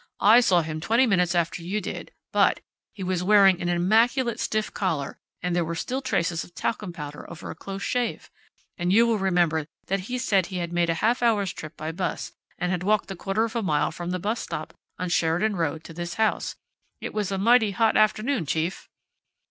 "I saw him twenty minutes after you did, but he was wearing an immaculate stiff collar, and there were still traces of talcum powder over a close shave! And you will remember that he said he had made a half hour's trip by bus, and had walked the quarter of a mile from the bus stop on Sheridan Road to this house. It was a mighty hot afternoon, chief!"